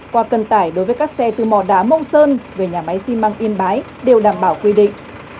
qua cân tải đối với các xe từ mò đá mông sơn về nhà máy xi măng yên bái đều đảm bảo quy định